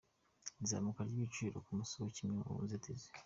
Izamuka ry’ibiciro ku masoko nk’imwe mu nzitizi.